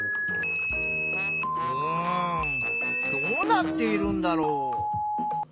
うんどうなっているんだろう？